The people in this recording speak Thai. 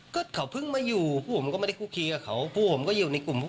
เวลาเขาไปซื้อร้ำเขากินกัน๒คนในห้อง